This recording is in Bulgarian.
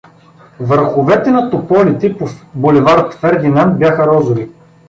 Върховете на тополите по булевард „Фердинанд“ бяха розови.